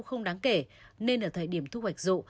không đáng kể nên ở thời điểm thu hoạch rộ